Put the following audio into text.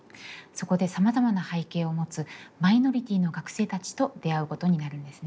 そこでさまざまな背景を持つマイノリティーの学生たちと出会うことになるんですね。